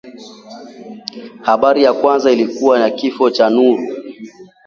Habari ya kwanza ilikuwa ya kifo cha Nuru